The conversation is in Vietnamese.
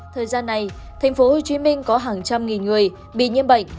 thời gian này thành phố hồ chí minh có hàng trăm nghìn người bị nhiễm bệnh